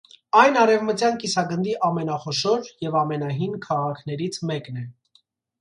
Այն արևմտյան կիսագնդի ամենախոշոր և ամենահին քաղաքներից մեկն է։